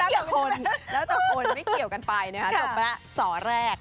แล้วแต่คนไม่เกี่ยวกันไปนะคะสอแรก